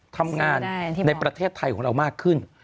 ทำงานในประเทศไทยของเรามากขึ้น